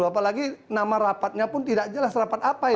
apalagi nama rapatnya pun tidak jelas rapat apa ya